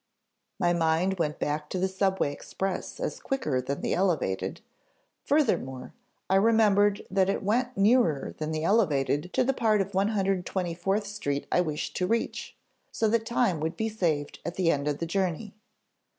My mind went back to the subway express as quicker than the elevated; furthermore, I remembered that it went nearer than the elevated to the part of 124th Street I wished to reach, so that time would be saved at the end of the journey.